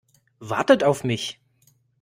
Wartet auf mich!